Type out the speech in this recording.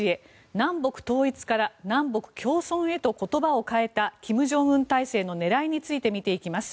南北統一から南北共存へと言葉を変えた金正恩体制の狙いについて見ていきます。